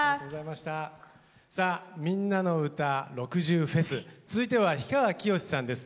さあ「みんなのうた６０フェス」続いては氷川きよしさんです。